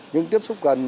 nhưng tiếp xúc gần